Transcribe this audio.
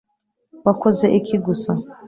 wakoze iki gusa